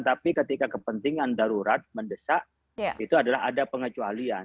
tapi ketika kepentingan darurat mendesak itu adalah ada pengecualian